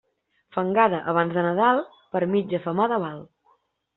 Fangada abans de Nadal, per mitja femada val.